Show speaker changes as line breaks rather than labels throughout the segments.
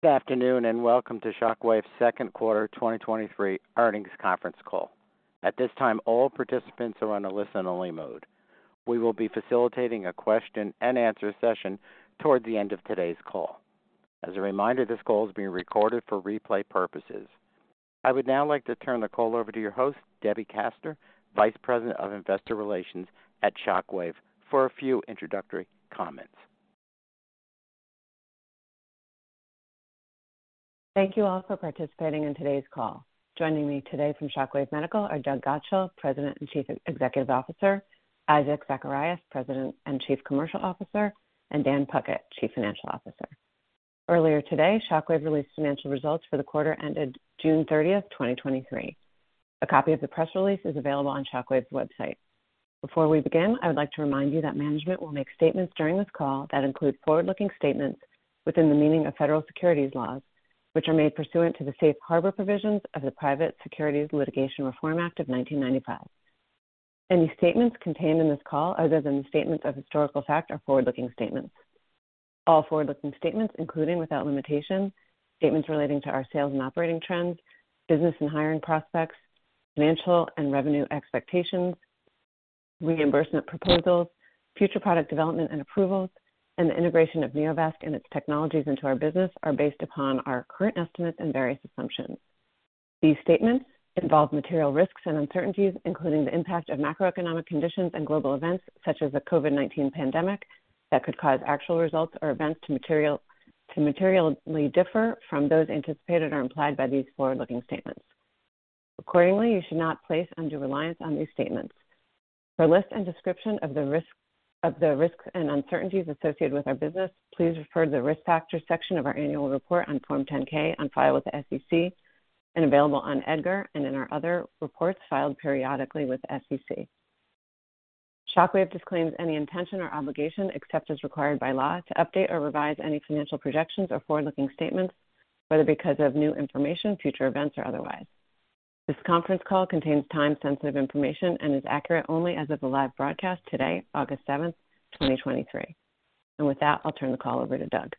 Good afternoon, welcome to Shockwave's second quarter 2023 earnings conference call. At this time, all participants are on a listen-only mode. We will be facilitating a question-and-answer session towards the end of today's call. As a reminder, this call is being recorded for replay purposes. I would now like to turn the call over to your host, Debbie Kaster, Vice President of Investor Relations at Shockwave, for a few introductory comments.
Thank you all for participating in today's call. Joining me today from Shockwave Medical are Doug Godshall, President and Chief Executive Officer, Isaac Zacharias, President and Chief Commercial Officer, and Dan Puckett, Chief Financial Officer. Earlier today, Shockwave released financial results for the quarter ended June 30th, 2023. A copy of the press release is available on Shockwave's website. Before we begin, I would like to remind you that management will make statements during this call that include forward-looking statements within the meaning of federal securities laws, which are made pursuant to the Safe Harbor provisions of the Private Securities Litigation Reform Act of 1995. Any statements contained in this call, other than statements of historical fact, are forward-looking statements. All forward-looking statements, including, without limitation, statements relating to our sales and operating trends, business and hiring prospects, financial and revenue expectations, reimbursement proposals, future product development and approvals, and the integration of Neovasc and its technologies into our business, are based upon our current estimates and various assumptions. These statements involve material risks and uncertainties, including the impact of macroeconomic conditions and global events such as the COVID-19 pandemic, that could cause actual results or events to materially differ from those anticipated or implied by these forward-looking statements. Accordingly, you should not place undue reliance on these statements. For a list and description of the risks and uncertainties associated with our business, please refer to the Risk Factors section of our annual report on Form 10-K on file with the SEC and available on EDGAR and in our other reports filed periodically with the SEC. Shockwave disclaims any intention or obligation, except as required by law, to update or revise any financial projections or forward-looking statements, whether because of new information, future events, or otherwise. This conference call contains time-sensitive information and is accurate only as of the live broadcast today, August 7th, 2023. With that, I'll turn the call over to Doug.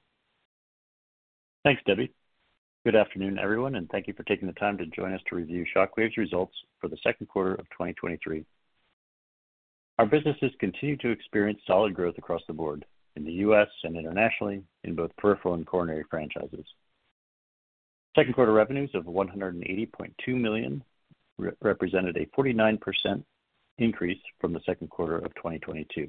Thanks, Debbie. Good afternoon, everyone, thank you for taking the time to join us to review Shockwave's results for the second quarter of 2023. Our businesses continue to experience solid growth across the board in the U.S. and internationally in both peripheral and coronary franchises. Second quarter revenues of $180.2 million represented a 49% increase from the second quarter of 2022.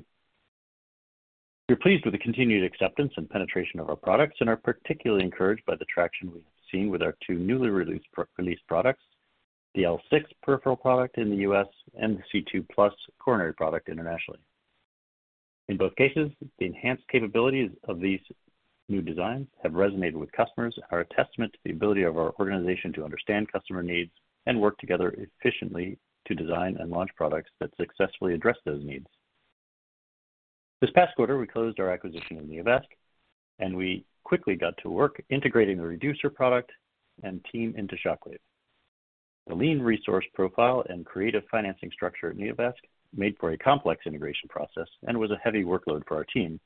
We're pleased with the continued acceptance and penetration of our products and are particularly encouraged by the traction we've seen with our two newly released products, the L6 peripheral product in the US and the C2+ coronary product internationally. In both cases, the enhanced capabilities of these new designs have resonated with customers and are a testament to the ability of our organization to understand customer needs and work together efficiently to design and launch products that successfully address those needs. This past quarter, we closed our acquisition of Neovasc, and we quickly got to work integrating the Reducer product and team into Shockwave. The lean resource profile and creative financing structure at Neovasc made for a complex integration process and was a heavy workload for our team,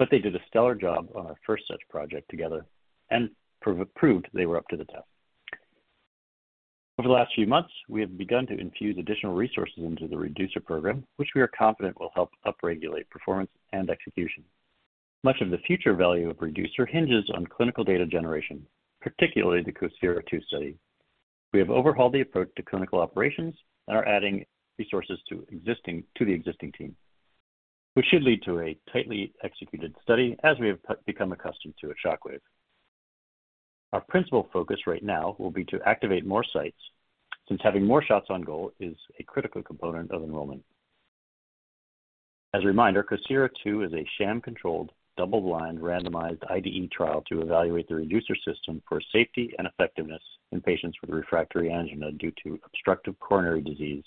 but they did a stellar job on our first such project together and proved they were up to the task. Over the last few months, we have begun to infuse additional resources into the Reducer program, which we are confident will help upregulate performance and execution. Much of the future value of Reducer hinges on clinical data generation, particularly the COSIRA II study. We have overhauled the approach to clinical operations and are adding resources to existing, to the existing team, which should lead to a tightly executed study as we have put become accustomed to at Shockwave. Our principal focus right now will be to activate more sites, since having more shots on goal is a critical component of enrollment. As a reminder, COSIRA II is a sham-controlled, double-blind, randomized IDE trial to evaluate the Reducer system for safety and effectiveness in patients with refractory angina due to obstructive coronary disease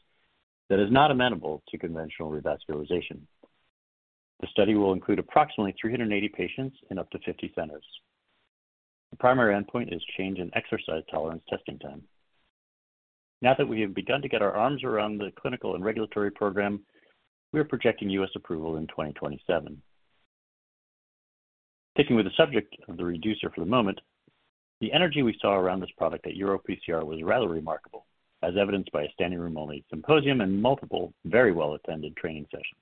that is not amenable to conventional revascularization. The study will include approximately 380 patients in up to 50 centers. The primary endpoint is change in exercise tolerance testing time. Now that we have begun to get our arms around the clinical and regulatory program, we are projecting U.S. approval in 2027. Sticking with the subject of the Reducer for the moment, the energy we saw around this product at EuroPCR was rather remarkable, as evidenced by a standing room only symposium and multiple very well-attended training sessions.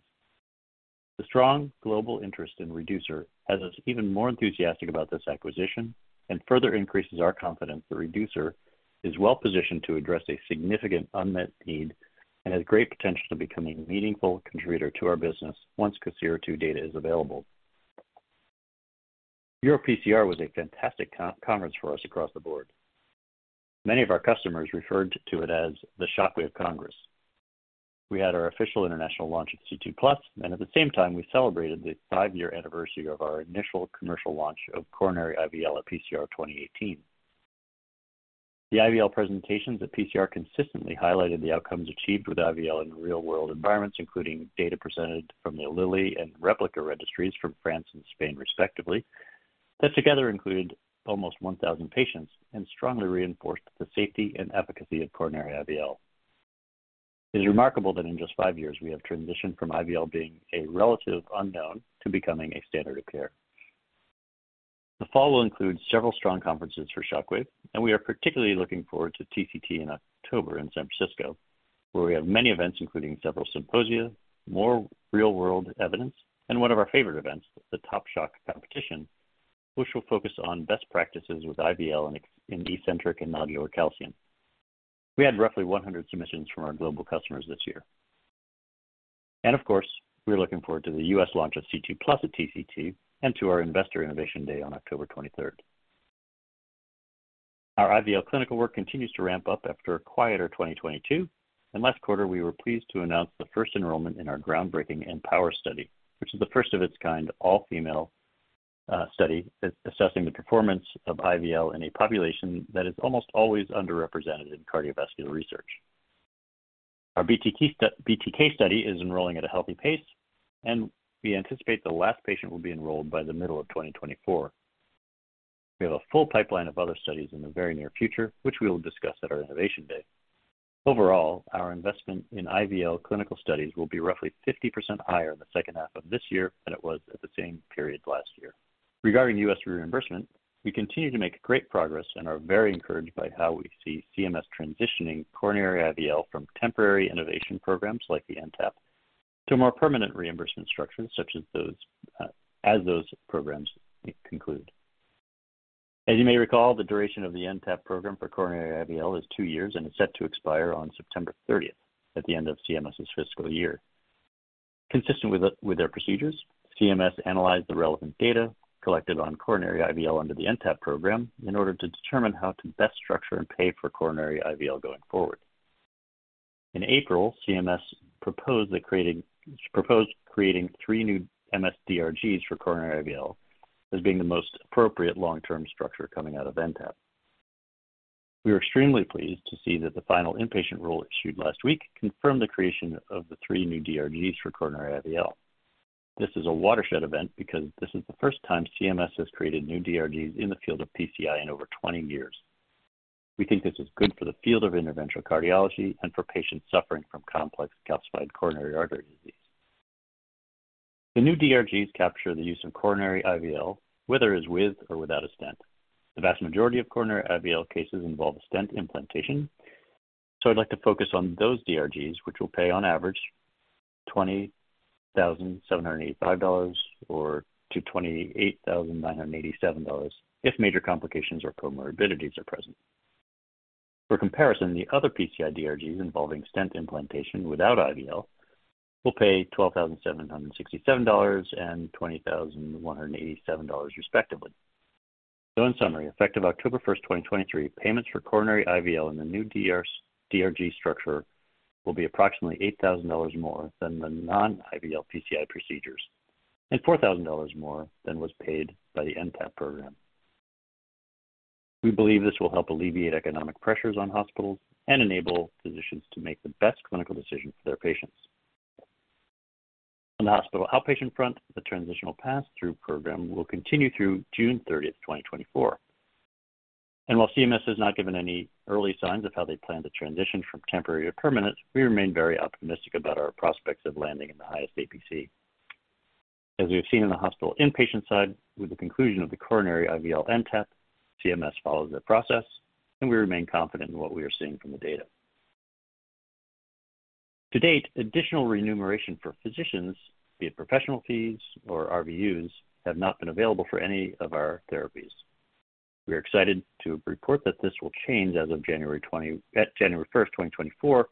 The strong global interest in Reducer has us even more enthusiastic about this acquisition and further increases our confidence that Reducer is well positioned to address a significant unmet need and has great potential to become a meaningful contributor to our business once COSIRA II data is available. EuroPCR was a fantastic conference for us across the board. Many of our customers referred to it as the Shockwave Congress. We had our official international launch of C2+, and at the same time, we celebrated the five-year anniversary of our initial commercial launch of coronary IVL at PCR twenty eighteen. The IVL presentations at PCR consistently highlighted the outcomes achieved with IVL in real-world environments, including data presented from the Lily and Replica registries from France and Spain, respectively, that together included almost 1,000 patients and strongly reinforced the safety and efficacy of coronary IVL. It is remarkable that in just five years, we have transitioned from IVL being a relative unknown to becoming a standard of care. The fall will include several strong conferences for Shockwave, and we are particularly looking forward to TCT in October in San Francisco, where we have many events, including several symposia, more real-world evidence, and one of our favorite events, the Top Shock competition, which will focus on best practices with IVL in eccentric and modular calcium. We had roughly 100 submissions from our global customers this year. Of course, we're looking forward to the U.S. launch of C2+ at TCT and to our Investor Innovation Day on October 23rd. Our IVL clinical work continues to ramp up after a quieter 2022, and last quarter, we were pleased to announce the first enrollment in our groundbreaking Empower study, which is the first of its kind, all-female, study, assessing the performance of IVL in a population that is almost always underrepresented in cardiovascular research. Our BTK study is enrolling at a healthy pace, and we anticipate the last patient will be enrolled by the middle of 2024. We have a full pipeline of other studies in the very near future, which we will discuss at our Innovation Day. Overall, our investment in IVL clinical studies will be roughly 50% higher in the second half of this year than it was at the same period last year. Regarding U.S. reimbursement, we continue to make great progress and are very encouraged by how we see CMS transitioning coronary IVL from temporary innovation programs like the NTAP to more permanent reimbursement structures, such as those programs conclude. As you may recall, the duration of the NTAP program for coronary IVL is two years and is set to expire on September thirtieth, at the end of CMS's fiscal year. Consistent with their procedures, CMS analyzed the relevant data collected on coronary IVL under the NTAP program in order to determine how to best structure and pay for coronary IVL going forward. In April, CMS proposed creating three new MS-DRGs for coronary IVL as being the most appropriate long-term structure coming out of NTAP. We are extremely pleased to see that the final inpatient rule issued last week confirmed the creation of the three new DRGs for coronary IVL. This is a watershed event because this is the first time CMS has created new DRGs in the field of PCI in over 20 years. We think this is good for the field of interventional cardiology and for patients suffering from complex calcified coronary artery disease. The new DRGs capture the use of coronary IVL, whether it's with or without a stent. The vast majority of coronary IVL cases involve a stent implantation, I'd like to focus on those DRGs, which will pay on average $20,785 or $28,987 if major complications or comorbidities are present. For comparison, the other PCI DRGs involving stent implantation without IVL will pay $12,767 and $20,187, respectively. In summary, effective October 1st, 2023, payments for coronary IVL in the new DRG structure will be approximately $8,000 more than the non-IVL PCI procedures and $4,000 more than was paid by the NTAP program. We believe this will help alleviate economic pressures on hospitals and enable physicians to make the best clinical decisions for their patients. On the hospital outpatient front, the Transitional Pass-Through program will continue through June 30, 2024. While CMS has not given any early signs of how they plan to transition from temporary to permanent, we remain very optimistic about our prospects of landing in the highest APC. As we have seen in the hospital inpatient side, with the conclusion of the coronary IVL NTAP, CMS follows their process, and we remain confident in what we are seeing from the data. To date, additional remuneration for physicians, be it professional fees or RVUs, have not been available for any of our therapies. We are excited to report that this will change as of January 1, 2024,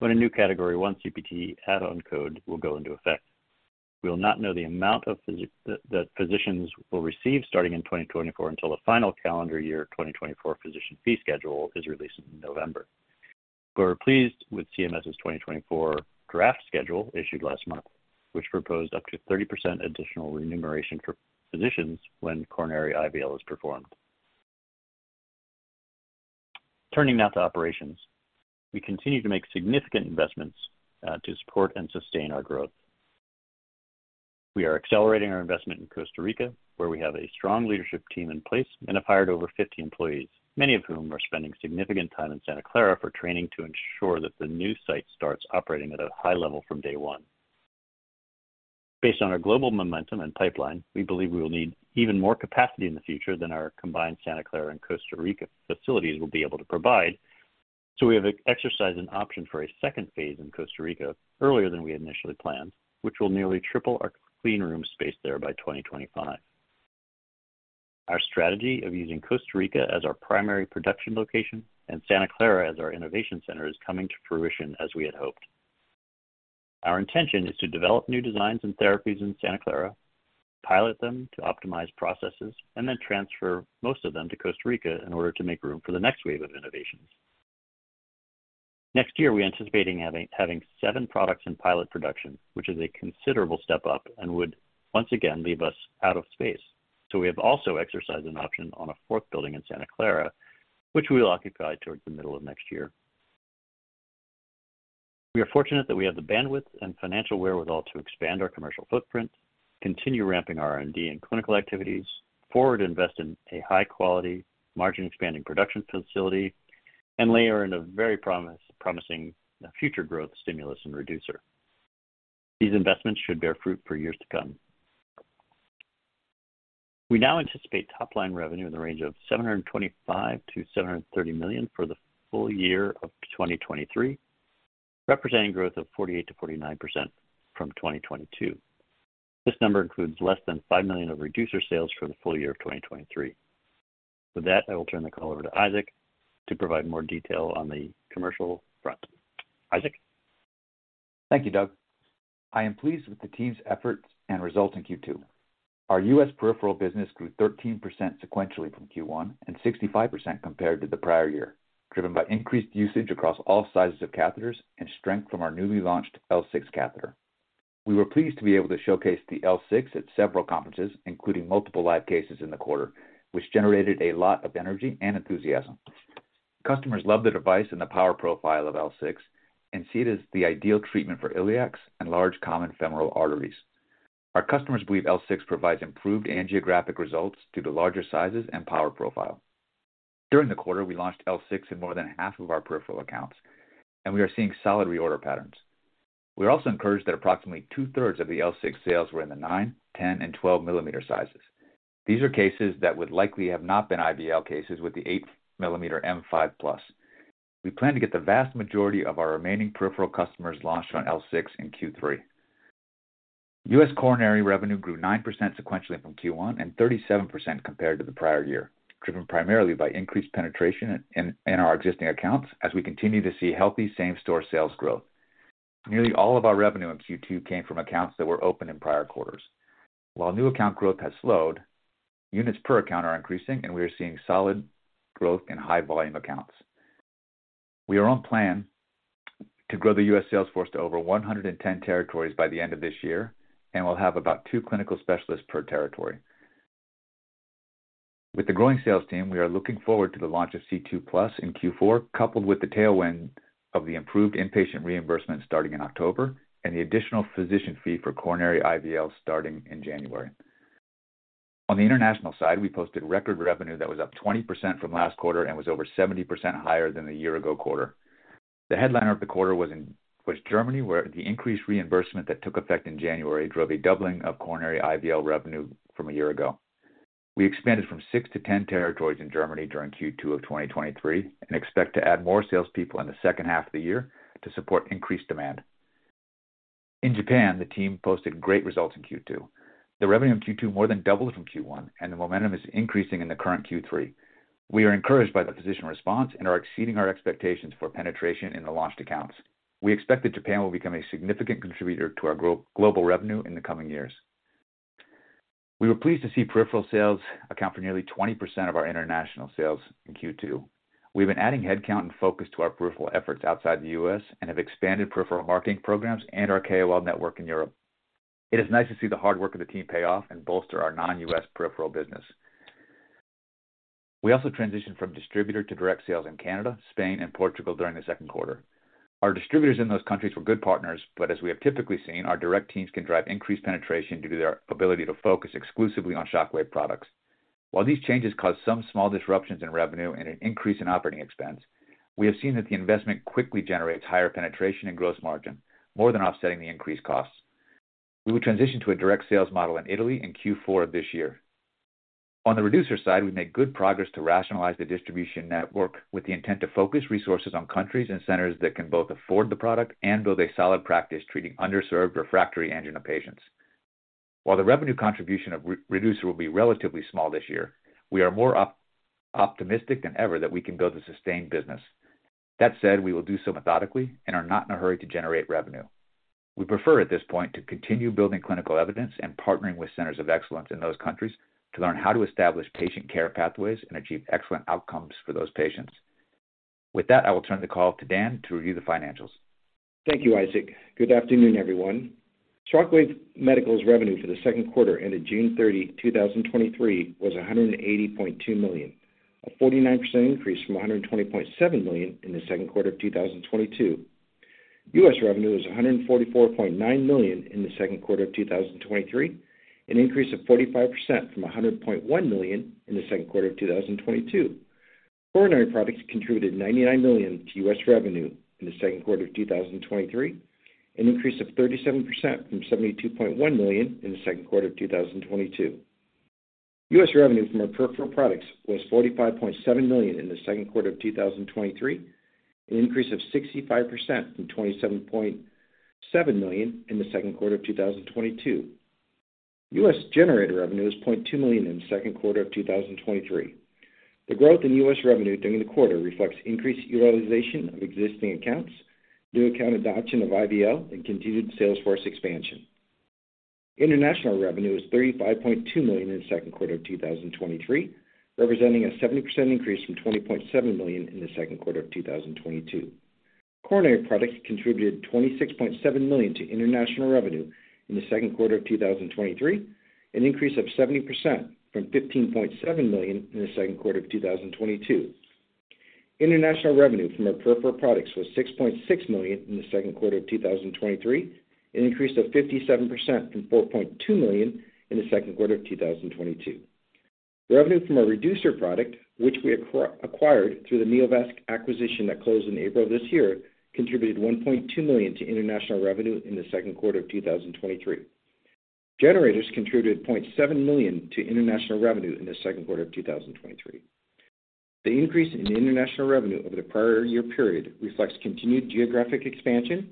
when a new Category I CPT add-on code will go into effect. We will not know the amount of that physicians will receive starting in 2024 until the final Calendar Year 2024 Physician Fee Schedule is released in November. We're pleased with CMS's 2024 draft schedule issued last month, which proposed up to 30% additional remuneration for physicians when coronary IVL is performed. Turning now to operations. We continue to make significant investments to support and sustain our growth. We are accelerating our investment in Costa Rica, where we have a strong leadership team in place and have hired over 50 employees, many of whom are spending significant time in Santa Clara for training to ensure that the new site starts operating at a high level from day one. Based on our global momentum and pipeline, we believe we will need even more capacity in the future than our combined Santa Clara and Costa Rica facilities will be able to provide. We have exercised an option for a second phase in Costa Rica earlier than we had initially planned, which will nearly triple our clean room space there by 2025. Our strategy of using Costa Rica as our primary production location and Santa Clara as our innovation center is coming to fruition as we had hoped. Our intention is to develop new designs and therapies in Santa Clara, pilot them to optimize processes, and then transfer most of them to Costa Rica in order to make room for the next wave of innovations. Next year, we're anticipating having seven products in pilot production, which is a considerable step up and would once again leave us out of space. We have also exercised an option on a fourth building in Santa Clara, which we will occupy towards the middle of next year. We are fortunate that we have the bandwidth and financial wherewithal to expand our commercial footprint, continue ramping R&D and clinical activities, forward invest in a high quality, margin expanding production facility, and layer in a very promising future growth stimulus in Reducer. These investments should bear fruit for years to come. We now anticipate top-line revenue in the range of $725 million-$730 million for the full year of 2023, representing growth of 48%-49% from 2022. This number includes less than $5 million of Reducer sales for the full year of 2023. With that, I will turn the call over to Isaac to provide more detail on the commercial front. Isaac?
Thank you, Doug. I am pleased with the team's efforts and results in Q2. Our U.S. peripheral business grew 13% sequentially from Q1 and 65% compared to the prior year, driven by increased usage across all sizes of catheters and strength from our newly launched L6 catheter. We were pleased to be able to showcase the L6 at several conferences, including multiple live cases in the quarter, which generated a lot of energy and enthusiasm. Customers love the device and the power profile of L6 and see it as the ideal treatment for iliacs and large common femoral arteries. Our customers believe L6 provides improved angiographic results due to larger sizes and power profile. During the quarter, we launched L6 in more than half of our peripheral accounts, and we are seeing solid reorder patterns. We are also encouraged that approximately 2/3 of the L6 sales were in the 9 mm, 10 mm, and 12 mm sizes. These are cases that would likely have not been IVL cases with the 8 mm M5 Plus. We plan to get the vast majority of our remaining peripheral customers launched on L6 in Q3. U.S. coronary revenue grew 9% sequentially from Q1 and 37% compared to the prior year, driven primarily by increased penetration in our existing accounts as we continue to see healthy same-store sales growth. Nearly all of our revenue in Q2 came from accounts that were open in prior quarters. While new account growth has slowed, units per account are increasing, and we are seeing solid growth in high-volume accounts. We are on plan to grow the U.S. sales force to over 110 territories by the end of this year, and we'll have about two clinical specialists per territory. With the growing sales team, we are looking forward to the launch of C2+ in Q4, coupled with the tailwind of the improved inpatient reimbursement starting in October and the additional physician fee for coronary IVL starting in January. On the international side, we posted record revenue that was up 20% from last quarter and was over 70% higher than the year-ago quarter. The headliner of the quarter was Germany, where the increased reimbursement that took effect in January drove a doubling of coronary IVL revenue from a year ago. We expanded from six to 10 territories in Germany during Q2 of 2023 and expect to add more salespeople in the second half of the year to support increased demand. In Japan, the team posted great results in Q2. The revenue in Q2 more than doubled from Q1, and the momentum is increasing in the current Q3. We are encouraged by the physician response and are exceeding our expectations for penetration in the launched accounts. We expect that Japan will become a significant contributor to our global revenue in the coming years. We were pleased to see peripheral sales account for nearly 20% of our international sales in Q2. We've been adding headcount and focus to our peripheral efforts outside the U.S. and have expanded peripheral marketing programs and our KOL network in Europe. It is nice to see the hard work of the team pay off and bolster our non-U.S. peripheral business. We also transitioned from distributor to direct sales in Canada, Spain, and Portugal during the second quarter. Our distributors in those countries were good partners, but as we have typically seen, our direct teams can drive increased penetration due to their ability to focus exclusively on Shockwave products. While these changes caused some small disruptions in revenue and an increase in operating expense, we have seen that the investment quickly generates higher penetration and gross margin, more than offsetting the increased costs. We will transition to a direct sales model in Italy in Q4 of this year. On the Reducer side, we made good progress to rationalize the distribution network with the intent to focus resources on countries and centers that can both afford the product and build a solid practice treating underserved refractory angina patients. While the revenue contribution of Reducer will be relatively small this year, we are more optimistic than ever that we can build a sustained business. That said, we will do so methodically and are not in a hurry to generate revenue. We prefer, at this point, to continue building clinical evidence and partnering with centers of excellence in those countries to learn how to establish patient care pathways and achieve excellent outcomes for those patients. With that, I will turn the call to Dan to review the financials.
Thank you, Isaac. Good afternoon, everyone. Shockwave Medical's revenue for the second quarter ended June 30, 2023, was $180.2 million, a 49% increase from $120.7 million in the second quarter of 2022. U.S. revenue was $144.9 million in the second quarter of 2023, an increase of 45% from $100.1 million in the second quarter of 2022. Coronary products contributed $99 million to U.S. revenue in the second quarter of 2023, an increase of 37% from $72.1 million in the second quarter of 2022. U.S. revenue from our peripheral products was $45.7 million in the second quarter of 2023, an increase of 65% from $27.7 million in the second quarter of 2022. U.S. generator revenue was $0.2 million in the second quarter of 2023. The growth in U.S. revenue during the quarter reflects increased utilization of existing accounts, new account adoption of IVL, and continued salesforce expansion. International revenue was $35.2 million in the second quarter of 2023, representing a 70% increase from $20.7 million in the second quarter of 2022. Coronary products contributed $26.7 million to international revenue in the second quarter of 2023, an increase of 70% from $15.7 million in the second quarter of 2022. International revenue from our peripheral products was $6.6 million in the second quarter of 2023, an increase of 57% from $4.2 million in the second quarter of 2022. Revenue from our Reducer product, which we acquired through the Neovasc acquisition that closed in April of this year, contributed $1.2 million to international revenue in the second quarter of 2023. Generators contributed $0.7 million to international revenue in the second quarter of 2023. The increase in international revenue over the prior year period reflects continued geographic expansion,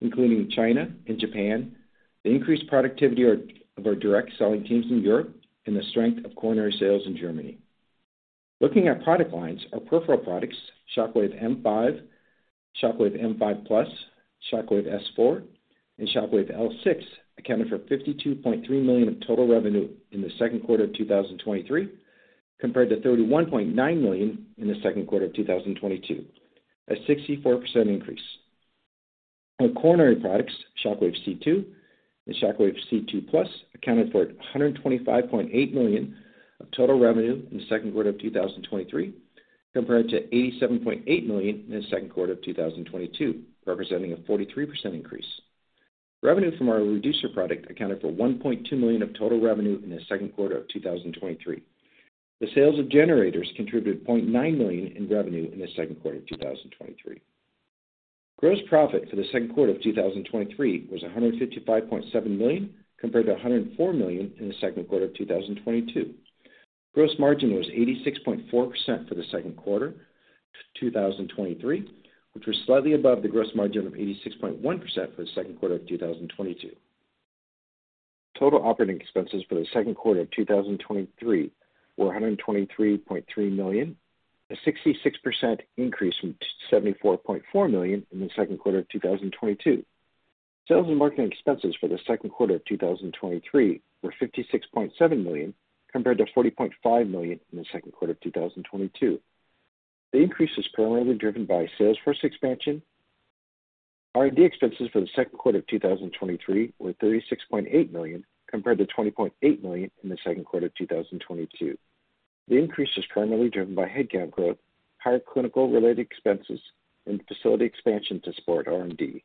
including China and Japan, the increased productivity of our direct selling teams in Europe, and the strength of coronary sales in Germany. Looking at product lines, our peripheral products, Shockwave M5, Shockwave M5+, Shockwave S4, and Shockwave L6, accounted for $52.3 million of total revenue in the second quarter of 2023, compared to $31.9 million in the second quarter of 2022, a 64% increase. Our coronary products, [Shockwave C2 and Shockwave C2+], accounted for $125.8 million of total revenue in the second quarter of 2023, compared to $87.8 million in the second quarter of 2022, representing a 43% increase. Revenue from our Reducer product accounted for $1.2 million of total revenue in the second quarter of 2023. The sales of generators contributed $0.9 million in revenue in the second quarter of 2023. Gross profit for the second quarter of 2023 was $155.7 million, compared to $104 million in the second quarter of 2022. Gross margin was 86.4% for the second quarter of 2023, which was slightly above the gross margin of 86.1% for the second quarter of 2022. Total operating expenses for the second quarter of 2023 were $123.3 million, a 66% increase from $74.4 million in the second quarter of 2022. Sales and marketing expenses for the second quarter of 2023 were $56.7 million, compared to $40.5 million in the second quarter of 2022. The increase is primarily driven by sales force expansion. R&D expenses for the second quarter of 2023 were $36.8 million, compared to $20.8 million in the second quarter of 2022. The increase is primarily driven by headcount growth, higher clinical related expenses, and facility expansion to support R&D.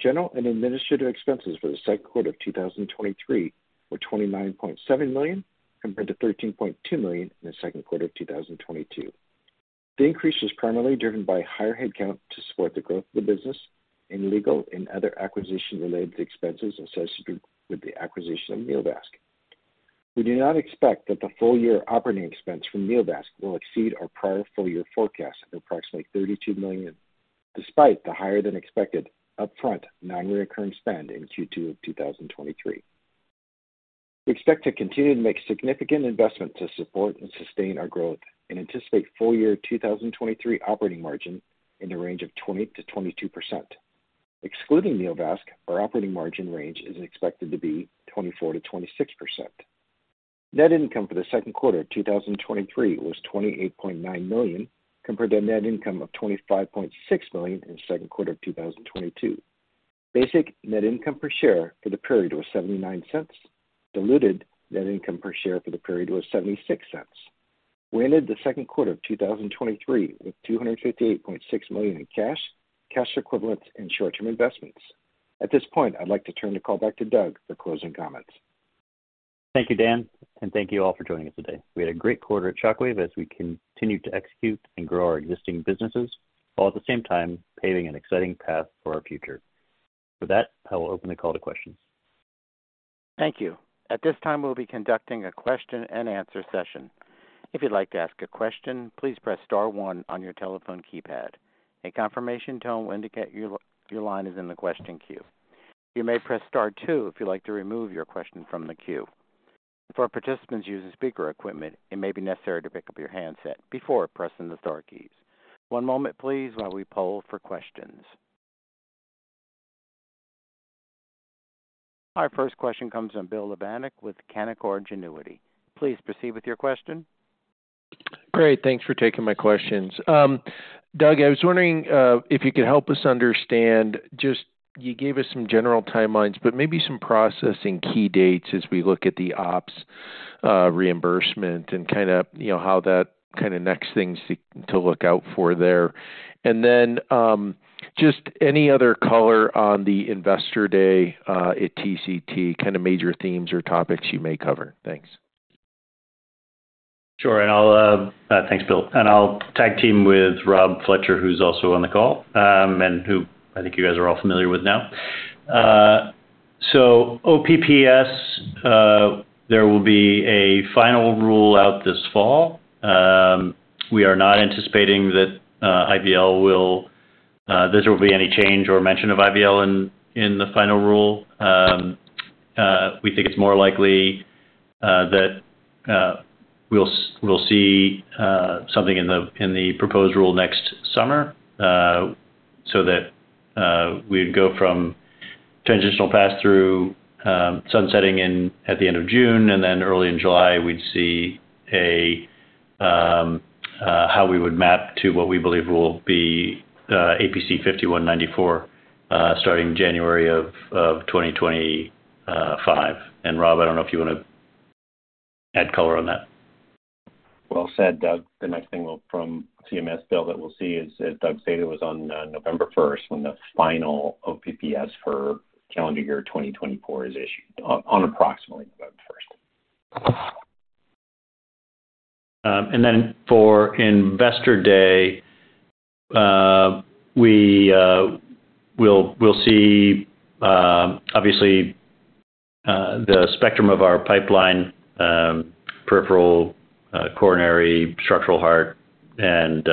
General and administrative expenses for the second quarter of 2023 were $29.7 million, compared to $13.2 million in the second quarter of 2022. The increase was primarily driven by higher headcount to support the growth of the business and legal and other acquisition-related expenses associated with the acquisition of Neovasc. We do not expect that the full-year operating expense from Neovasc will exceed our prior full-year forecast of approximately $32 million, despite the higher than expected upfront non-reoccurring spend in Q2 of 2023. We expect to continue to make significant investments to support and sustain our growth and anticipate full year 2023 operating margin in the range of 20%-22%. Excluding Neovasc, our operating margin range is expected to be 24%-26%. Net income for the second quarter of 2023 was $28.9 million, compared to a net income of $25.6 million in the second quarter of 2022. Basic net income per share for the period was $0.79. Diluted net income per share for the period was $0.76. We ended the second quarter of 2023 with $258.6 million in cash, cash equivalents, and short-term investments. At this point, I'd like to turn the call back to Doug for closing comments.
Thank you, Dan, and thank you all for joining us today. We had a great quarter at Shockwave as we continued to execute and grow our existing businesses, while at the same time paving an exciting path for our future. For that, I will open the call to questions.
Thank you. At this time, we'll be conducting a question-and-answer session. If you'd like to ask a question, please press star-one on your telephone keypad. A confirmation tone will indicate your line is in the question queue. You may press star-two if you'd like to remove your question from the queue. For participants using speaker equipment, it may be necessary to pick up your handset before pressing the star keys. One moment please while we poll for questions. Our first question comes from Bill Plovanic with Canaccord Genuity. Please proceed with your question.
Great, thanks for taking my questions. Doug, I was wondering, if you could help us understand, just, you gave us some general timelines, but maybe some processing key dates as we look at the ops, reimbursement and kind of, you know, how that kind of next things to, to look out for there. Then, just any other color on the Investor Day, at TCT, kind of major themes or topics you may cover? Thanks.
Sure. Thanks, Bill. I'll tag team with Rob Fletcher, who's also on the call, and who I think you guys are all familiar with now. So OPPS, there will be a final rule out this fall. We are not anticipating that IVL will, there will be any change or mention of IVL in the final rule. We think it's more likely that we'll see something in the proposed rule next summer. So that we'd go from Transitional Pass-Through, sunsetting at the end of June, and then early in July, we'd see how we would map to what we believe will be APC 5194, starting January of 2025. Rob, I don't know if you want to add color on that.
Well said, Doug. The next thing we'll from CMS, Bill, that we'll see, as Doug stated, was on November 1st, when the final OPPS for calendar year 2024 is issued on approximately November 1st.
Then for Investor Day, we'll see, obviously, the spectrum of our pipeline, peripheral, coronary, structural heart, and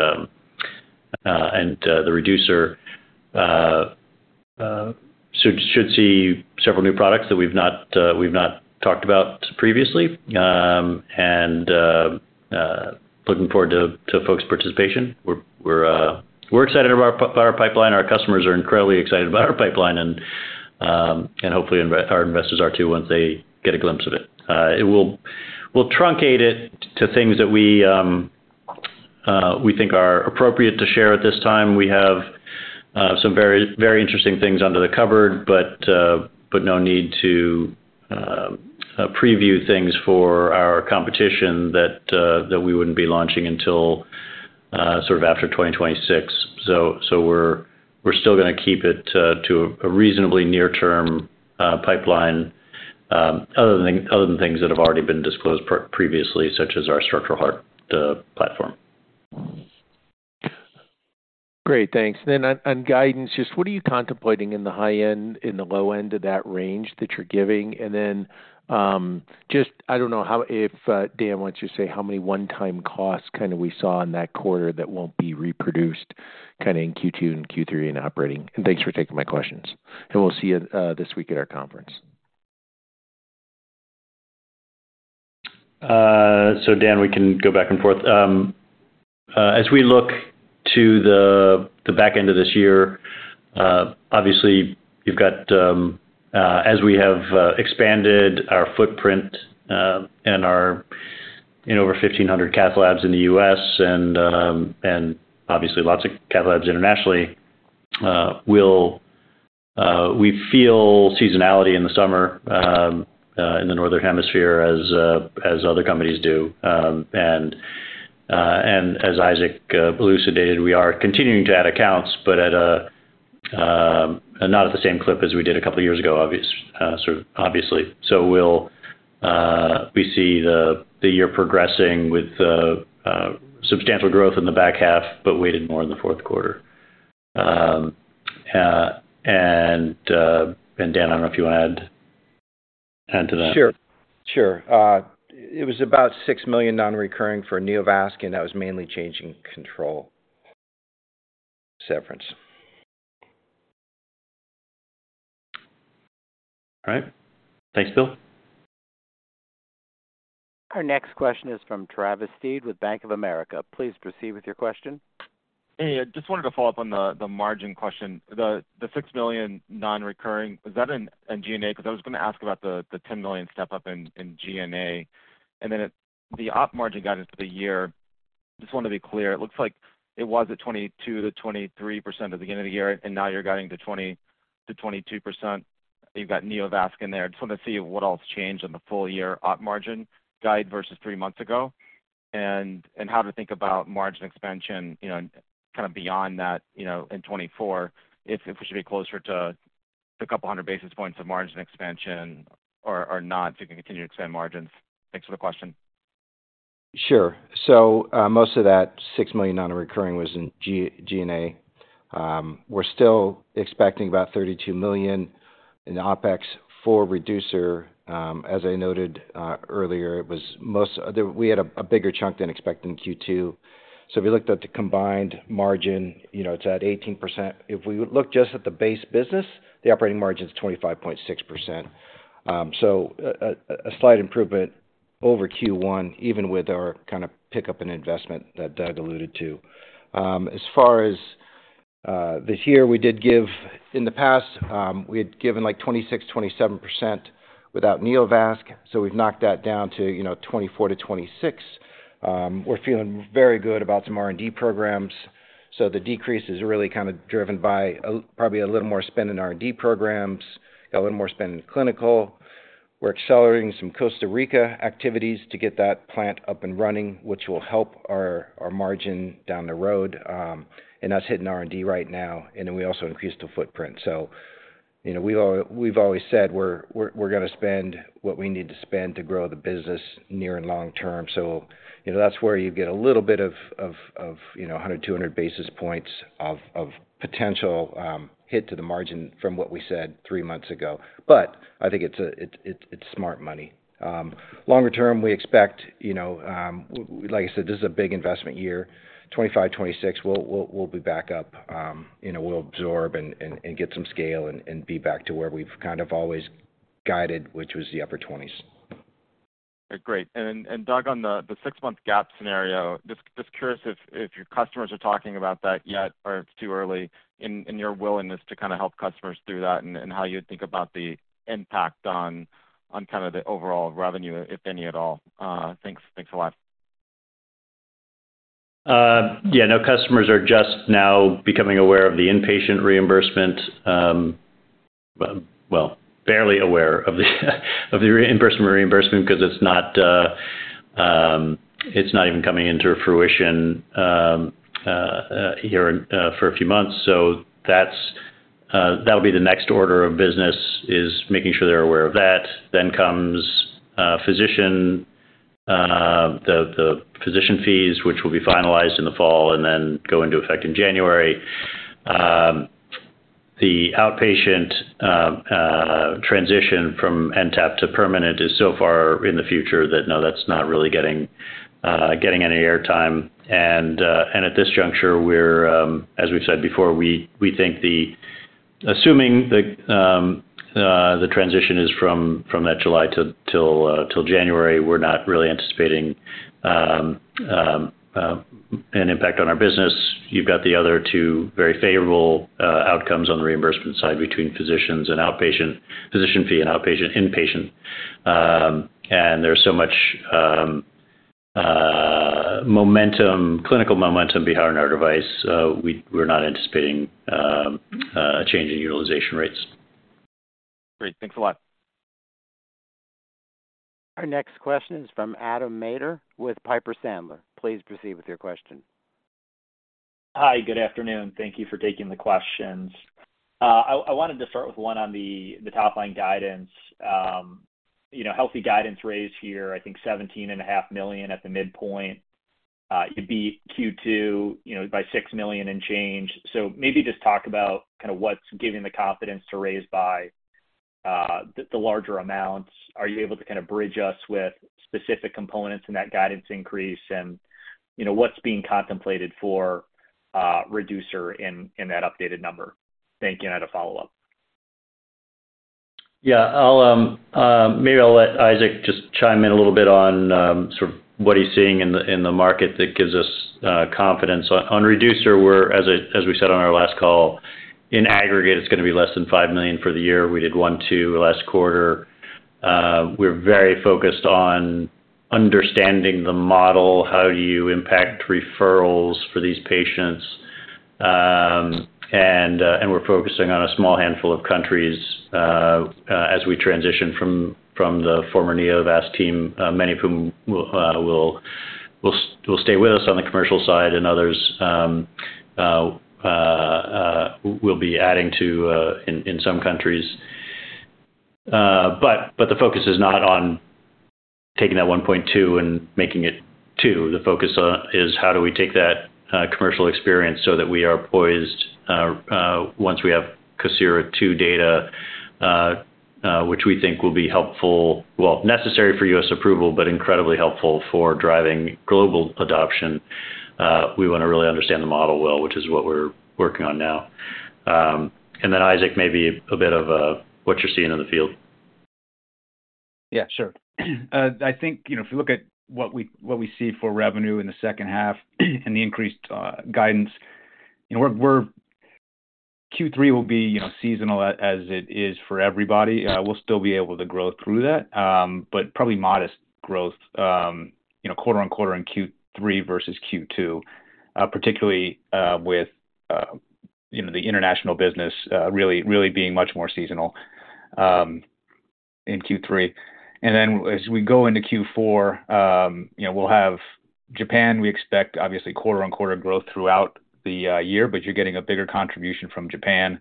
the Reducer. Should see several new products that we've not talked about previously. Looking forward to folks' participation. We're excited about our pipeline. Our customers are incredibly excited about our pipeline. Hopefully, our investors are too, once they get a glimpse of it. We'll truncate it to things that we think are appropriate to share at this time. We have some very interesting things under the cupboard, but, but no need to preview things for our competition that we wouldn't be launching until sort of after 2026. We're still going to keep it to a reasonably near-term pipeline, other than things that have already been disclosed previously, such as our structural heart platform.
Great, thanks. On, guidance, just what are you contemplating in the low end of that range that you're giving? And then, just I don't know if, Dan, why don't you say how many one-time costs kind of we saw in that quarter that won't be reproduced, kind of, in Q2 and Q3 in operating? Thanks for taking my questions. We'll see you this week at our conference.
Dan, we can go back and forth. As we look to the back end of this year, obviously, you've got, as we have expanded our footprint, and our, in over 1,500 cath labs in the U.S. and obviously lots of cath labs internationally, we feel seasonality in the summer, in the northern hemisphere as other companies do. And as Isaac elucidated, we are continuing to add accounts, but at a not at the same clip as we did a couple of years ago, obvious, sort of, obviously. We'll, we see the year progressing with substantial growth in the back half, but weighted more in the fourth quarter. Dan, I don't know if you want to add to that.
Sure. It was about $6 million nonrecurring for Neovasc, and that was mainly changing control severance.
All right. Thanks, Bill.
Our next question is from Travis Steed with Bank of America. Please proceed with your question.
Hey, I just wanted to follow up on the margin question. The $6 million nonrecurring, is that in GNA? Because I was going to ask about the $10 million step-up in GNA. Then at the op margin guidance for the year, just want to be clear, it looks like it was at 22%-23% at the beginning of the year, and now you're guiding to 20%-22%. You've got Neovasc in there. Just want to see what else changed on the full year op margin guide versus three months ago, and how to think about margin expansion, you know, kind of beyond that, you know, in 2024, if we should be closer to a couple of hundred basis points of margin expansion or not, to continue to expand margins. Thanks for the question.
Sure. Most of that $6 million nonrecurring was in GNA. We're still expecting about $32 million in the OpEx for Reducer. As I noted earlier, the we had a bigger chunk than expected in Q2. If you looked at the combined margin, you know, it's at 18%. If we look just at the base business, the operating margin is 25.6%. A slight improvement over Q1, even with our kind of pickup in investment that Doug alluded to. As far as the year, we did in the past, we had given, like, 26%, 27% without Neovasc, we've knocked that down to, you know, 24%-26%. We're feeling very good about some R&D programs, so the decrease is really kind of driven by, probably a little more spend in R&D programs, a little more spend in clinical. We're accelerating some Costa Rica activities to get that plant up and running, which will help our margin down the road, and that's hitting R&D right now, and then we also increased the footprint. You know, we've always said, we're, we're, we're gonna spend what we need to spend to grow the business near and long-term. You know, that's where you get a little bit of, you know, 100, 200 basis points of potential hit to the margin from what we said three months ago. I think it's, it's, it's smart money. Longer-term, we expect, you know, like I said, this is a big investment year. 2025, 2026, we'll be back up, you know, we'll absorb and get some scale and be back to where we've kind of always guided, which was the upper 20s.
Great. Doug, on the six-month gap scenario, just curious if your customers are talking about that yet, or it's too early in your willingness to kind of help customers through that, and how you think about the impact on kind of the overall revenue, if any, at all? Thanks a lot.
Yeah, no, customers are just now becoming aware of the inpatient reimbursement, well, barely aware of the reimbursement, reimbursement because it's not even coming into fruition here for a few months. That'll be the next order of business, is making sure they're aware of that. Comes the physician fees, which will be finalized in the fall and go into effect in January. The outpatient transition from NTAP to permanent is so far in the future that, no, that's not really getting any airtime. At this juncture, as we've said before, assuming the transition is from that July till January, we're not really anticipating an impact on our business. You've got the other two very favorable outcomes on the reimbursement side between physicians and outpatient, physician fee and outpatient, inpatient. There's so much clinical momentum behind our device. We're not anticipating a change in utilization rates.
Great. Thanks a lot.
Our next question is from Adam Maeder with Piper Sandler. Please proceed with your question.
Hi, good afternoon. Thank you for taking the questions. I wanted to start with one on the top-line guidance. You know, healthy guidance raised here, I think $17.5 million at the midpoint, you'd be Q2, you know, by $6 million and change. So maybe just talk about kind of what's giving the confidence to raise by the larger amounts. Are you able to kind of bridge us with specific components in that guidance increase? And, you know, what's being contemplated for Reducer in, in that updated number? Thank you, and I had a follow-up.
Yeah. Maybe I'll let Isaac just chime in a little bit on sort of what he's seeing in the market that gives us confidence. On Reducer, we're, as we said on our last call, in aggregate, it's going to be less than $5 million for the year. We did $1.2 million last quarter. We're very focused on understanding the model, how do you impact referrals for these patients. We're focusing on a small handful of countries as we transition from the former Neovasc team, many of whom will stay with us on the commercial side, and others we'll be adding to in some countries. The focus is not on taking that $1.2 million and making it $2 million. The focus on, is how do we take that, commercial experience so that we are poised, once we have COSIRA II data, which we think will be helpful well, necessary for U.S. approval, but incredibly helpful for driving global adoption. We wanna really understand the model well, which is what we're working on now. Isaac, maybe a bit of what you're seeing in the field.
Yeah, sure. I think, you know, if you look at what we see for revenue in the second half and the increased guidance, you know, Q3 will be, you know, seasonal as it is for everybody. We'll still be able to grow through that, but probably modest growth, you know, quarter-on-quarter in Q3 versus Q2, particularly with, you know, the international business really being much more seasonal in Q3. As we go into Q4, you know, we'll have Japan. We expect obviously quarter-on-quarter growth throughout the year, but you're getting a bigger contribution from Japan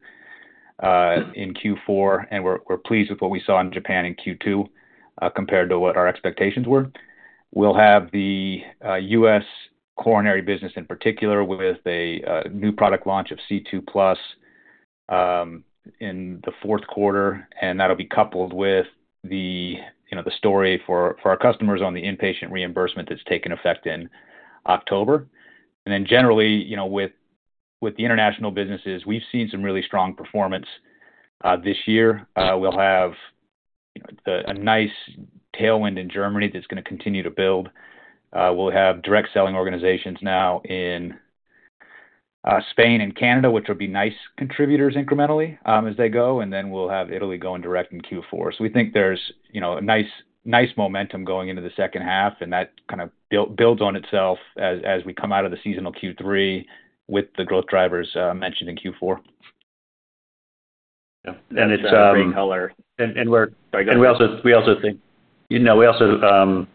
in Q4, and we're pleased with what we saw in Japan in Q2 compared to what our expectations were. We'll have the U.S. coronary business in particular, with a new product launch of C2+ in the fourth quarter, and that'll be coupled with you know, the story for our customers on the inpatient reimbursement that's taken effect in October. Generally, you know, with the international businesses, we've seen some really strong performance this year. We'll have a nice tailwind in Germany that's going to continue to build. We'll have direct selling organizations now in Spain and Canada, which will be nice contributors incrementally as they go. We'll have Italy going direct in Q4. We think there's, you know, a nice momentum going into the second half, and that kind of build- builds on itself as, as we come out of the seasonal Q3 with the growth drivers mentioned in Q4.
Great color. Sorry, go ahead.
We also, you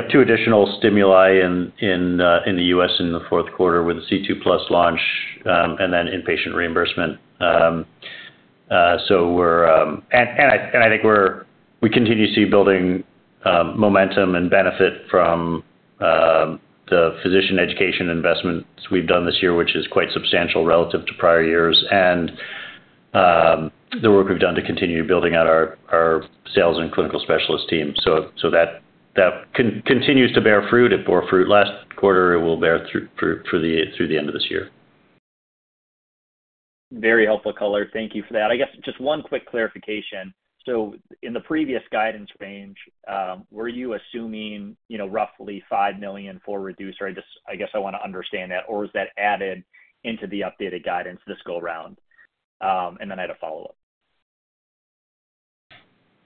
have two additional stimuli in the U.S. in the fourth quarter with the C2+ launch, and then inpatient reimbursement. I think we continue to see building momentum and benefit from the physician education investments we've done this year, which is quite substantial relative to prior years, and the work we've done to continue building out our sales and clinical specialist team. That continues to bear fruit. It bore fruit last quarter. It will bear through fruit through the end of this year.
Very helpful color. Thank you for that. I guess just one quick clarification: In the previous guidance range, were you assuming, you know, roughly $5 million for Reducer? I just, I guess I wanna understand that. Is that added into the updated guidance this go around? I had a follow-up.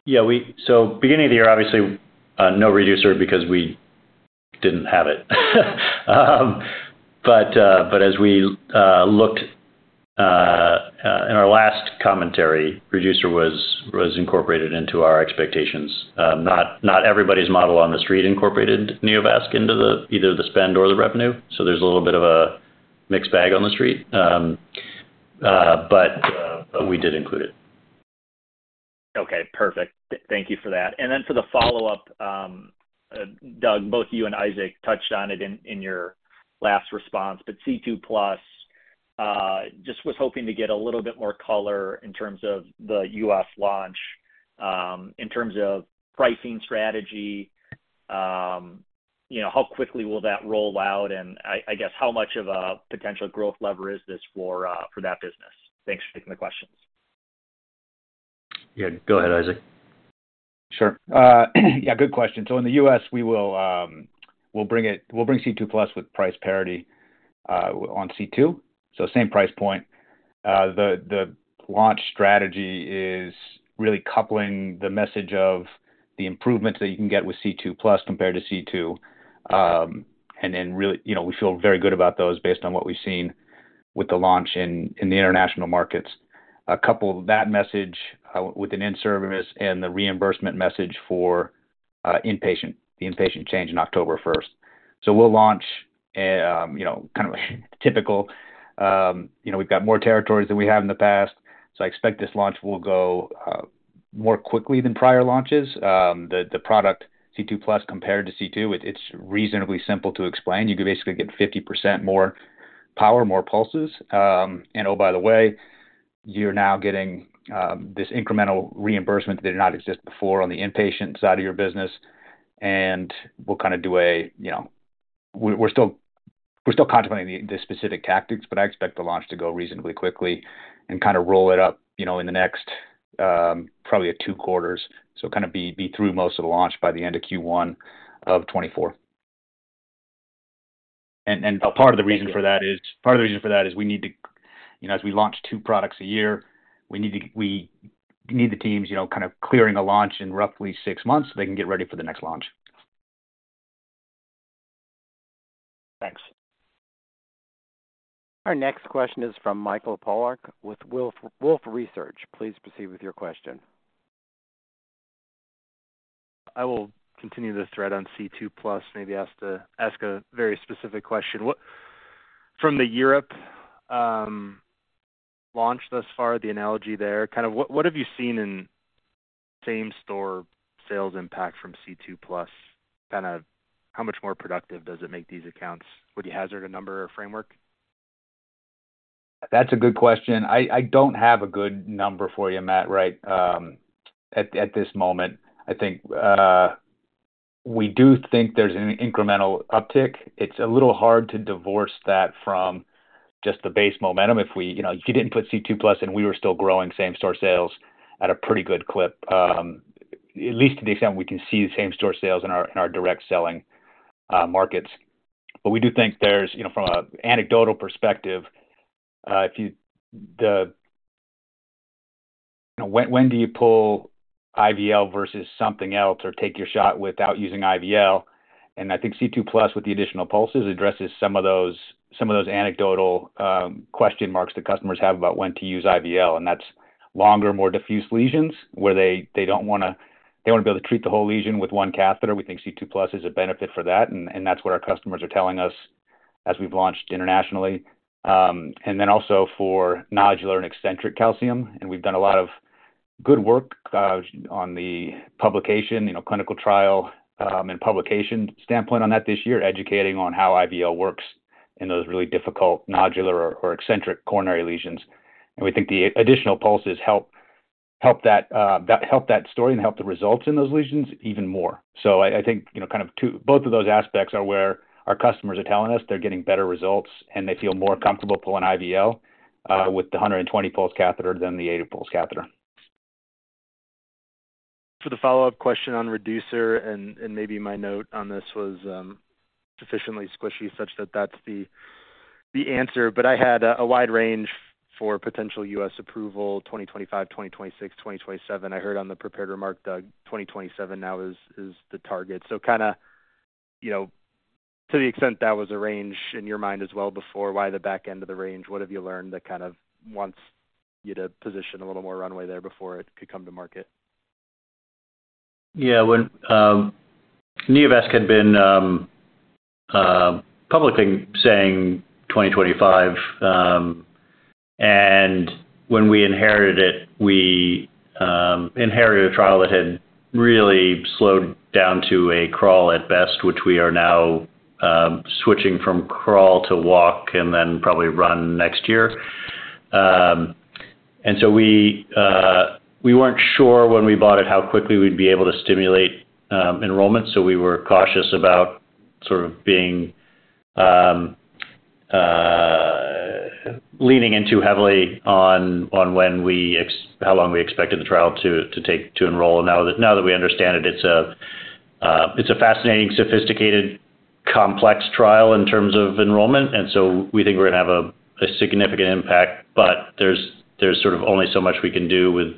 Yeah, we so beginning of the year, obviously, no Reducer because we didn't have it. As we looked in our last commentary, Reducer was incorporated into our expectations. Not everybody's model on the street incorporated Neovasc into the, either the spend or the revenue, so there's a little bit of a mixed bag on the street. We did include it.
Okay, perfect. Thank you for that. For the follow-up, Doug, both you and Isaac touched on it in your last response, but C2+ just was hoping to get a little bit more color in terms of the U.S. launch, in terms of pricing strategy, you know, how quickly will that roll out? I guess, how much of a potential growth lever is this for that business? Thanks for taking the questions.
Yeah, go ahead, Isaac.
Sure. Yeah, good question. In the U.S., we will, we'll bring C2+ with price parity on C2, so same price point. The launch strategy is really coupling the message of the improvements that you can get with C2+ compared to C2. Then really, you know, we feel very good about those based on what we've seen with the launch in the international markets. A couple of that message, with an in-service and the reimbursement message for the inpatient change in October 1st. We'll launch, you know, kind of typical. You know, we've got more territories than we have in the past, so I expect this launch will go more quickly than prior launches. The product C2+, compared to C2, it's reasonably simple to explain. You could basically get 50% more power, more pulses. Oh, by the way, you're now getting this incremental reimbursement that did not exist before on the inpatient side of your business. We're still contemplating the specific tactics, but I expect the launch to go reasonably quickly and kind of roll it up, you know, in the next probably two quarters. Kind of be, be through most of the launch by the end of Q1 of 2024. Part of the reason for that is, we need to, you know, as we launch two products a year, we need the teams, you know, kind of clearing a launch in roughly six months so they can get ready for the next launch.
Thanks.
Our next question is from Michael Polark with Wolfe Research. Please proceed with your question.
I will continue this thread on C2+, maybe ask a very specific question. What from the Europe launch thus far, the analogy there, kind of what have you seen in same-store sales impact from C2+? Kind of how much more productive does it make these accounts? Would you hazard a number or framework?
That's a good question. I don't have a good number for you, Mike, right, at this moment. I think we do think there's an incremental uptick. It's a little hard to divorce that from just the base momentum. If we, you know, you didn't put C2+, and we were still growing same-store sales at a pretty good clip, at least to the extent we can see the same-store sales in our, in our direct selling, markets. We do think there's, you know, from an anecdotal perspective, when do you pull IVL versus something else, or take your shot without using IVL? I think C2+, with the additional pulses, addresses some of those anecdotal question marks that customers have about when to use IVL, and that's longer, more diffuse lesions, where they want to be able to treat the whole lesion with one catheter. We think C2+ is a benefit for that, and that's what our customers are telling us as we've launched internationally. Then also for nodular and eccentric calcium, and we've done a lot of good work on the publication, you know, clinical trial, and publication standpoint on that this year, educating on how IVL works in those really difficult nodular or eccentric coronary lesions. We think the additional pulses help, help that story and help the results in those lesions even more. I think, you know, kind of both of those aspects are where our customers are telling us they're getting better results, and they feel more comfortable pulling IVL with the 120 pulse catheter than the 80 pulse catheter.
For the follow-up question on Reducer, maybe my note on this was sufficiently squishy, such that that's the answer. I had a wide range for potential U.S. approval, 2025, 2026, 2027. I heard on the prepared remark, Doug, 2027 now is the target. You know, to the extent that was a range in your mind as well before, why the back end of the range? What have you learned that kind of wants you to position a little more runway there before it could come to market?
Yeah, when Neovasc had been publicly saying 2025, when we inherited it, we inherited a trial that had really slowed down to a crawl at best, which we are now switching from crawl to walk and then probably run next year. We weren't sure when we bought it, how quickly we'd be able to stimulate enrollment, so we were cautious about sort of being leaning in too heavily on when we how long we expected the trial to take to enroll. Now that, now that we understand, it's a fascinating, sophisticated, complex trial in terms of enrollment, we think we're going to have a significant impact. There's sort of only so much we can do with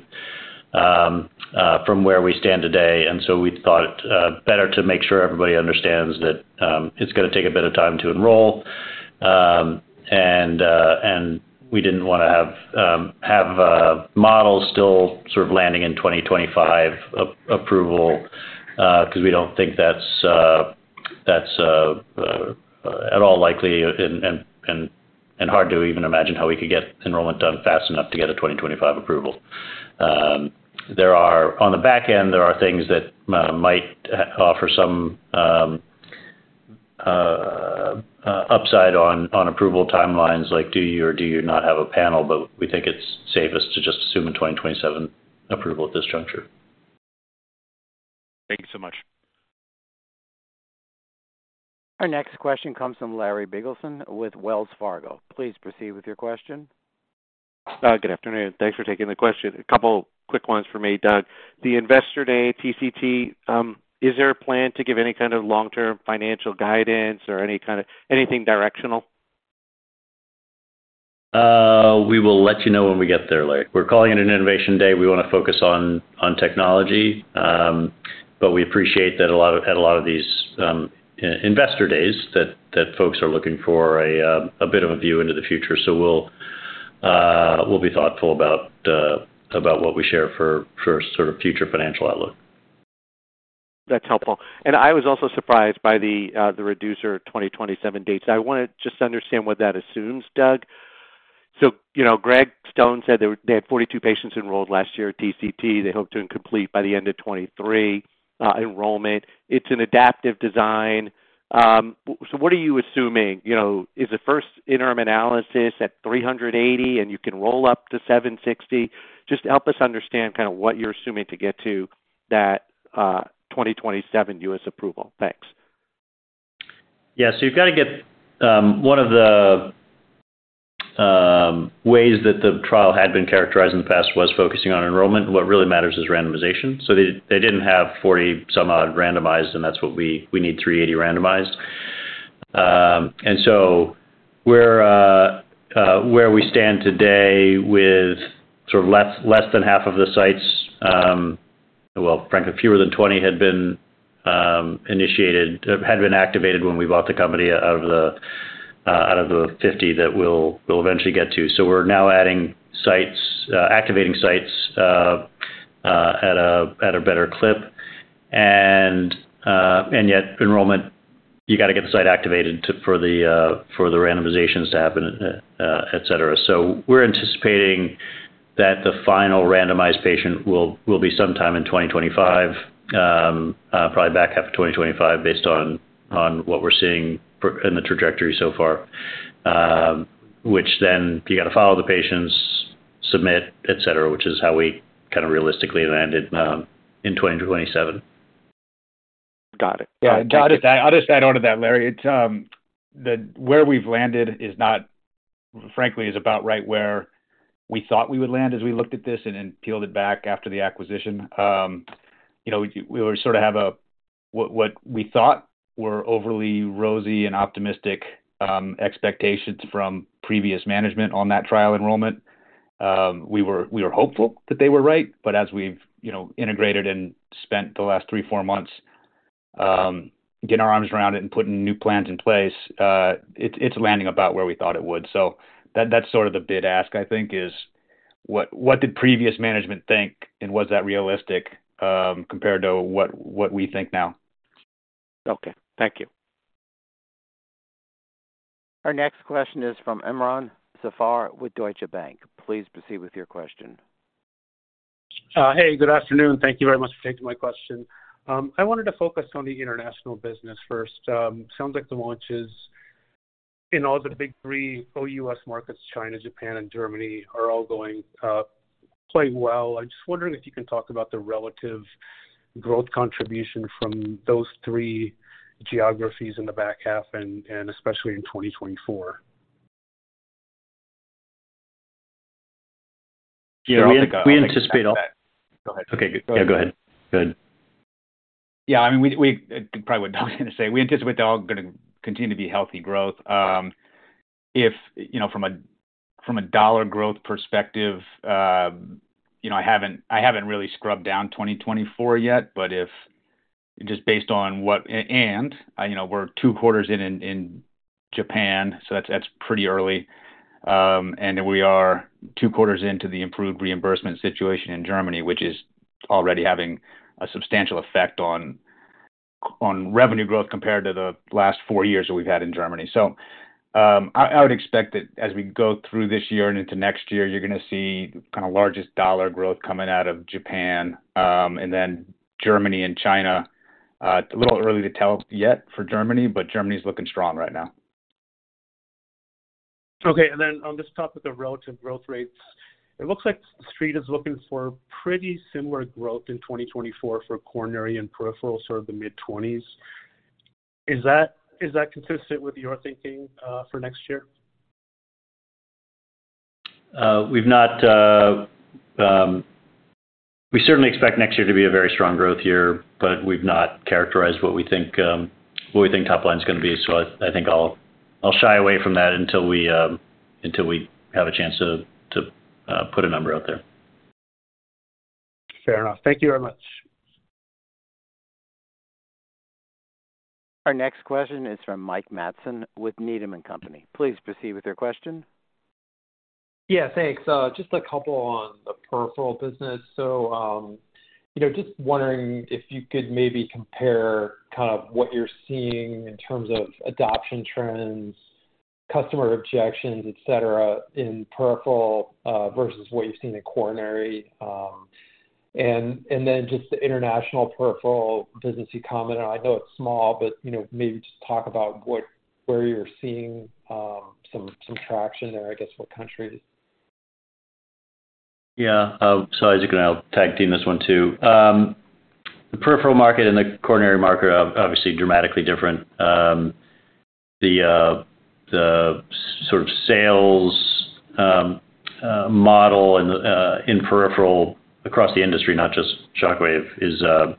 from where we stand today. So we thought it better to make sure everybody understands that it's going to take a bit of time to enroll. We didn't want to have have models still sort of landing in 2025 approval, we don't think that's at all likely and hard to even imagine how we could get enrollment done fast enough to get a 2025 approval. On the back end, there are things that might offer some upside on approval timelines, like do you or do you not have a panel? We think it's safest to just assume a 2027 approval at this juncture.
Thank you so much.
Our next question comes from Larry Biegelsen with Wells Fargo. Please proceed with your question.
Good afternoon. Thanks for taking the question. A couple quick ones for me, Doug. The Investor Day TCT, is there a plan to give any kind of long-term financial guidance or anything directional?
We will let you know when we get there, Larry. We're calling it an Innovation Day. We want to focus on technology, but we appreciate that at a lot of these, investor days that folks are looking for a bit of a view into the future. We'll be thoughtful about, about what we share for sort of future financial outlook.
That's helpful. I was also surprised by the Reducer 2027 dates. I wanted to just understand what that assumes, Doug. You know, Gregg Stone said they, they had 42 patients enrolled last year at TCT. They hope to complete by the end of 2023 enrollment. It's an adaptive design. What are you assuming? You know, is the first interim analysis at 380, and you can roll up to 760? Just help us understand kind of what you're assuming to get to that 2027 U.S. approval. Thanks.
Yeah. You've got to get. One of the ways that the trial had been characterized in the past was focusing on enrollment. What really matters is randomization. They didn't have 40 some odd randomized, and that's what we, we need 380 randomized. Where we stand today with sort of less than half of the sites, well, frankly, fewer than 20 had been initiated, had been activated when we bought the company, out of the 50 that we'll, we'll eventually get to. We're now adding sites, activating sites at a better clip. Yet enrollment, you got to get the site activated for the randomizations to happen, etc. We're anticipating that the final randomized patient will be sometime in 2025, probably back half of 2025, based on what we're seeing in the trajectory so far. Which then you got to follow the patients, submit, etc., which is how we kind of realistically landed in 2027.
Got it.
Yeah, I'll just add on to that, Larry. It's, where we've landed is not, frankly, is about right where we thought we would land as we looked at this and then peeled it back after the acquisition. You know, we sort of have what we thought were overly rosy and optimistic, expectations from previous management on that trial enrollment. We were hopeful that they were right, but as we've, you know, integrated and spent the last three, four months, getting our arms around it and putting new plans in place, it's, it's landing about where we thought it would. That's sort of the big ask, I think, is what did previous management think, and was that realistic, compared to what we think now?
Okay, thank you.
Our next question is from Imron Zafar with Deutsche Bank. Please proceed with your question.
Hey, good afternoon. Thank you very much for taking my question. I wanted to focus on the international business first. Sounds like the launches in all the big three for U.S. markets, China, Japan and Germany, are all going quite well. I'm just wondering if you can talk about the relative growth contribution from those three geographies in the back half, especially in 2024.
Go ahead.
Okay. Yeah, I mean, we, we probably what I'm going to say, we anticipate they're all going to continue to be healthy growth. If, you know, from a dollar growth perspective, you know, I haven't really scrubbed down 2024 yet, but if just based on, you know, we're two quarters in Japan, so that's pretty early. And we are two quarters into the improved reimbursement situation in Germany, which is already having a substantial effect on revenue growth compared to the last four years that we've had in Germany. I would expect that as we go through this year and into next year, you're going to see kind of largest dollar growth coming out of Japan, and then Germany and China. A little early to tell yet for Germany. Germany is looking strong right now.
Okay. Then on this topic of relative growth rates, it looks like the street is looking for pretty similar growth in 2024 for coronary and peripheral, sort of the mid-20s. Is that consistent with your thinking for next year?
We certainly expect next year to be a very strong growth year, but we've not characterized what we think top line is going to be. I think I'll shy away from that until we have a chance to, put a number out there. Fair enough. Thank you very much.
Our next question is from Mike Matson with Needham and Company. Please proceed with your question.
Yeah, thanks. Just a couple on the peripheral business. you know, just wondering if you could maybe compare kind of what you're seeing in terms of adoption trends, customer objections, etc. in peripheral, versus what you've seen in coronary? just the international peripheral business you commented on. I know it's small, but, you know, maybe just talk about Where you're seeing, some traction there, I guess, what countries?
Yeah. Isaac and I'll tag team this one, too. The peripheral market and the coronary market are obviously dramatically different. The sort of sales model and in peripheral across the industry, not just Shockwave, is a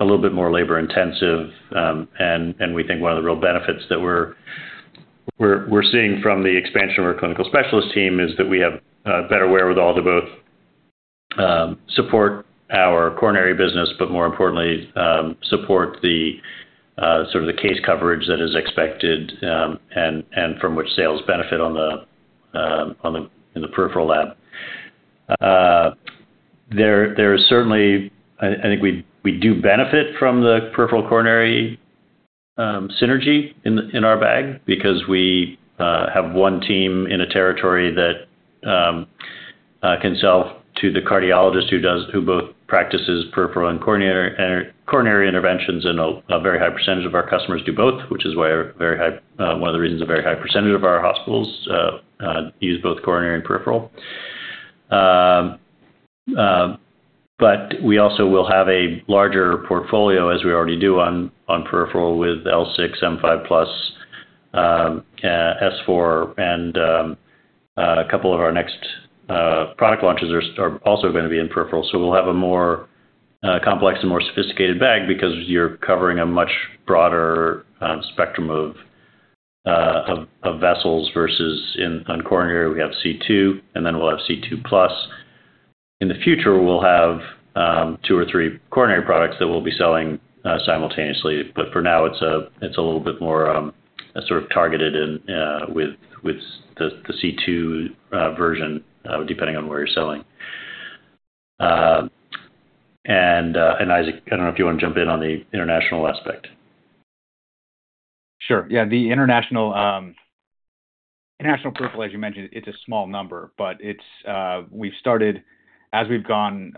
little bit more labor intensive. We think one of the real benefits that we're seeing from the expansion of our clinical specialist team is that we have better wherewithal to both support our coronary business, but more importantly, support the sort of the case coverage that is expected, and from which sales benefit on the in the peripheral lab. There, there is certainly, I think we, we do benefit from the peripheral coronary synergy in our bag because we have one team in a territory that can sell to the cardiologist who both practices peripheral and coronary, coronary interventions, and a very high percentage of our customers do both, which is why a very high one of the reasons a very high percentage of our hospitals use both coronary and peripheral. We also will have a larger portfolio, as we already do on peripheral with L6, M5+, S4, and a couple of our next product launches are also going to be in peripheral. We'll have a more complex and more sophisticated bag because you're covering a much broader spectrum of vessels versus in, on coronary. We have C2, and then we'll have C2+. In the future, we'll have two or three coronary products that we'll be selling simultaneously. For now, it's a little bit more sort of targeted in with, with the, the C2 version, depending on where you're selling. Isaac, I don't know if you want to jump in on the international aspect.
Sure. Yeah, the international peripheral, as you mentioned, it's a small number, but it's, we've started as we've gone,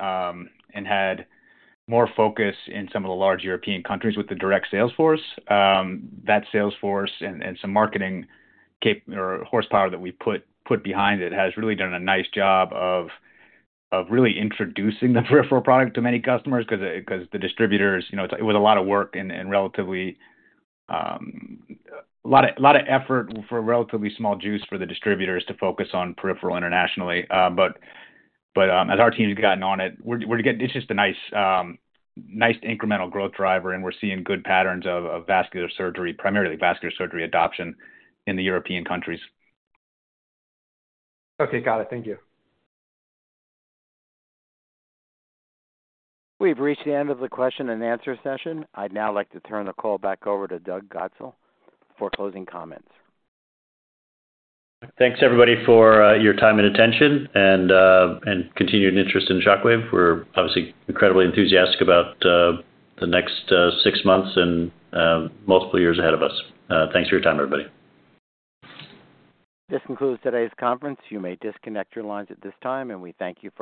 and had more focus in some of the large European countries with the direct sales force. That sales force and some marketing cap or horsepower that we put behind it, has really done a nice job of really introducing the peripheral product to many customers, because the distributors, you know, it was a lot of work and relatively, a lot of effort for relatively small juice for the distributors to focus on peripheral internationally. But, as our team's gotten on it, we're getting. It's just a nice incremental growth driver, and we're seeing good patterns of vascular surgery, primarily vascular surgery adoption in the European countries.
Okay. Got it. Thank you.
We've reached the end of the question-and-answer session. I'd now like to turn the call back over to Doug Godshall for closing comments.
Thanks, everybody, for your time and attention and continued interest in Shockwave. We're obviously incredibly enthusiastic about the next six months and multiple years ahead of us. Thanks for your time, everybody.
This concludes today's conference. You may disconnect your lines at this time, and we thank you for your participation.